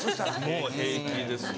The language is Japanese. もう平気ですね。